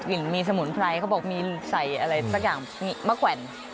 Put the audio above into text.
อินมีมีบรรวบภาษาเขาก็บอกมีใสมาขวันมาขวัน